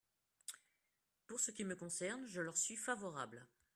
Pour ce qui me concerne, je leur suis favorable.